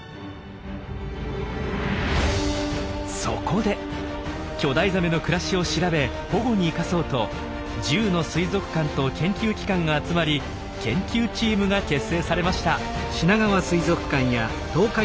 そこで巨大ザメの暮らしを調べ保護に生かそうと１０の水族館と研究機関が集まり研究チームが結成されました。